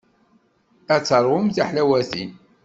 Ad teṛwum tiḥlawatin.